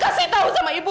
kasih tahu sama ibu